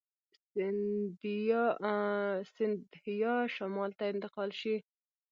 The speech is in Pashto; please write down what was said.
سیندهیا شمال ته انتقال شي.